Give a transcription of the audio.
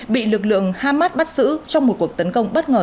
bị lực lượng hamas bắt giữ trong một cuộc tấn công bất ngờ